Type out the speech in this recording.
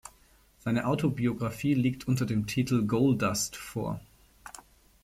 Seine Autobiographie liegt unter dem Titel "Goal Dust" vor.